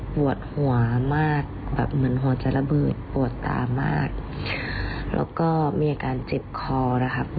ปวดหัวมากแบบเหมือนหัวจะระเบิดปวดตามากแล้วก็มีอาการเจ็บคอนะครับ